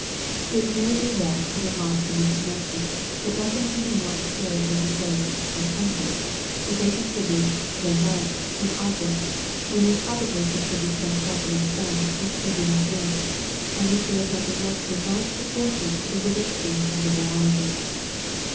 It may be well to remark in this connection, that nothing can be more absurd than to say, as some do, that they contribute " their mite" to an object, when they probably contribute some trifling sum which they do not miss, and which bears not the most remote pro portion to the widow's scale of liberality.